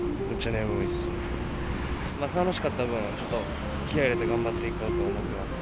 楽しかった分、気合い入れて頑張っていこうと思っています。